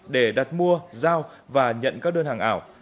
để đặt mua giao và nhận các đơn hàng ảo